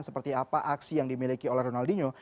seperti apa aksi yang dimiliki oleh ronaldinho